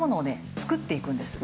作っていくんです。